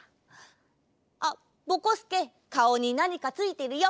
すけかおになにかついてるよ。